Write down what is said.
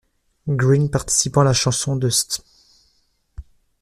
Green participent à la chanson ' de St.